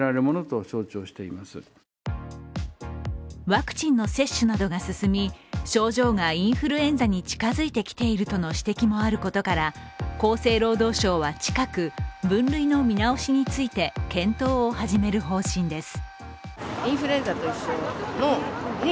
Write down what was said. ワクチンの接種などが進み症状がインフルエンザに近づいてきているとの指摘もあることから厚生労働省は近く分類の見直しについて検討を始める方針です。